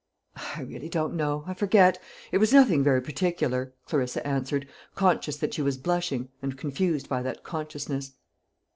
"I really don't know I forget it was nothing very particular," Clarissa answered, conscious that she was blushing, and confused by that consciousness.